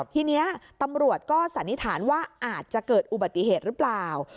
ทีนี้ตำรวจก็สันนิษฐานว่าอาจจะเกิดอุบัติเหตุหรือเปล่า